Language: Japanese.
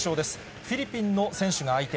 フィリピンの選手が相手。